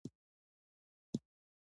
اسمان نه اوري چې ورېځې ترې جوړې شي.